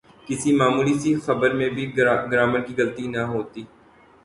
کسی معمولی سی خبر میں بھی گرائمر کی غلطی نہ ہوتی۔